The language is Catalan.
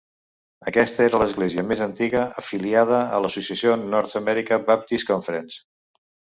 Aquesta era l'església més antiga afiliada a l'associació North American Baptist Conference.